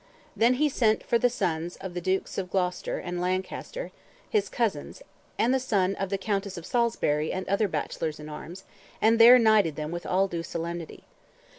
Then he sent for the sons of the Dukes of Gloucester and Lancaster, his cousins, and the son of the Countess of Salisbury and other bachelors in arms, and there knighted them with all due solemnity.